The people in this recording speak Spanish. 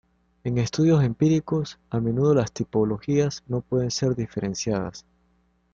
En estudios empíricos, a menudo las tipologías no pueden ser diferenciadas.